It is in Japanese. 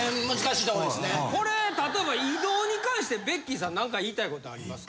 これ例えば移動に関してベッキーさん何か言いたいことありますか。